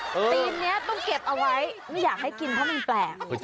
ตีนนี้ต้องเก็บเอาไว้ไม่อยากให้กินเพราะมันแปลก